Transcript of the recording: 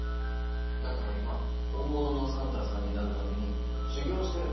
だから今本物のサンタさんになるために修業してるんだ。